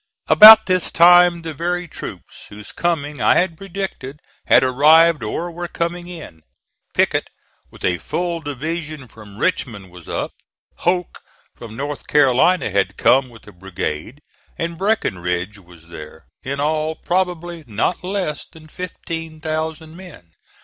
About this time the very troops whose coming I had predicted, had arrived or were coming in. Pickett with a full division from Richmond was up; Hoke from North Carolina had come with a brigade; and Breckinridge was there: in all probably not less than fifteen thousand men.